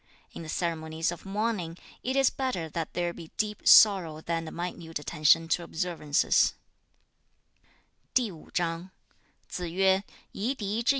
In the ceremonies of mourning, it is better that there be deep sorrow than a minute attention to observances.'